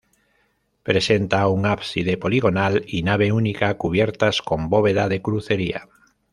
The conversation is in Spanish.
Presenta un ábside poligonal y nave única, cubiertas con bóveda de crucería.